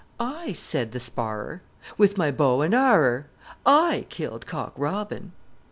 'I,' said the sparrer, 'With my bow and arrer, I killed Cock Robin!'"